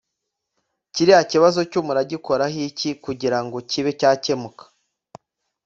kiriya kibazo cyo muragikoraho iki kugira ngo kibe cyakemuka